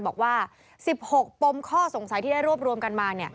บอกว่า๑๖ปมข้อสงสัยที่ได้รวบรวมกันมา